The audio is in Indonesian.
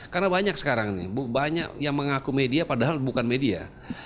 karena banyak sekarang nih banyak yang mengaku media padahal bukan media